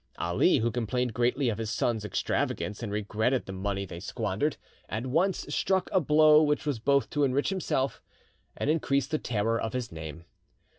Ali, who complained greatly of his sons' extravagance, and regretted the money they squandered, at once struck a blow which was both to enrich himself and increase the terror of his name.